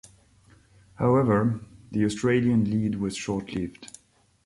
However, the Australian lead was short-lived.